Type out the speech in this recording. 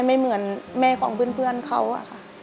ไม่เหมือนแม่ของเพื่อนเขาอะค่ะ